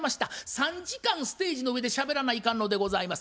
３時間ステージの上でしゃべらないかんのでございます。